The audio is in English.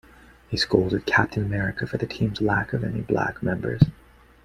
He scolded Captain America for the team's lack of any black members.